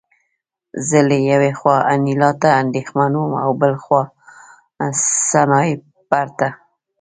زه له یوې خوا انیلا ته اندېښمن وم او بل خوا سنایپر ته